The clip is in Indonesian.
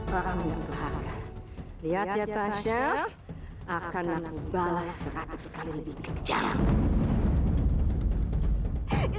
akan aku balas seratus kali lebih kejam